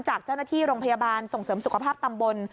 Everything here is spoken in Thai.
จากเจ้าหน้าที่โรงพยาบาลส่งเสริมสุขภาพตำบล